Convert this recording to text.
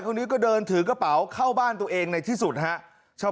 คนนี้ก็เดินถือกระเป๋าเข้าบ้านตัวเองในที่สุดฮะชาว